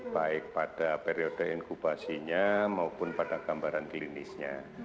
baik pada periode inkubasinya maupun pada gambaran klinisnya